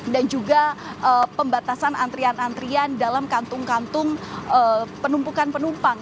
dan juga pembatasan antrian antrian dalam kantung kantung penumpukan penumpang